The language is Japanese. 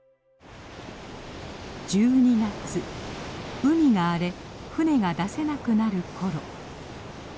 海が荒れ船が出せなくなる頃。